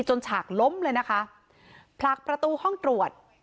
ฉากล้มเลยนะคะผลักประตูห้องตรวจ